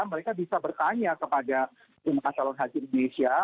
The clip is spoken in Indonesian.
mereka bisa bertanya kepada jemaah calon haji indonesia